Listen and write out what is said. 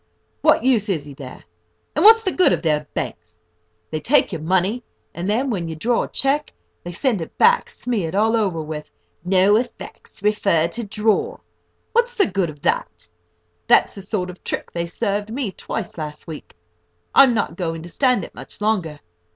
What use is he there, and what's the good of their banks? They take your money, and then, when you draw a cheque, they send it back smeared all over with 'No effects,' 'Refer to drawer.' What's the good of that? That's the sort of trick they served me twice last week. I'm not going to stand it much longer.